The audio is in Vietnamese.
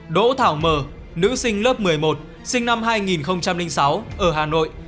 đỗ thảo mờ nữ sinh lớp một mươi một sinh năm hai nghìn sáu ở hà nội